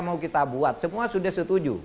mau kita buat semua sudah setuju